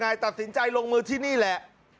ตัดสินใจลงมือที่นี่แหละ